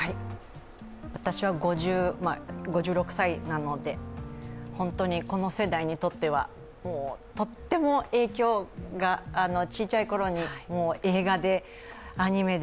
私は５６歳なので、本当にこの世代にとってはとっても影響が、ちいちゃいころに映画で、アニメで